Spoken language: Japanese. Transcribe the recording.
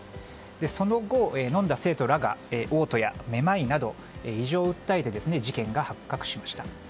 その後、飲んだ生徒らがおう吐やめまいなど異常を訴えて事件が発覚しました。